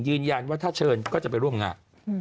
ยืนยันว่าถ้าเชิญก็จะไปร่วมงาน